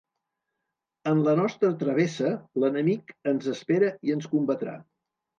En la nostra travessa, l'enemic ens espera i ens combatrà.